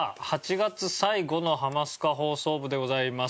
月最後の『ハマスカ放送部』でございます。